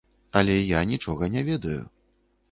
Але я нічога не ведаю.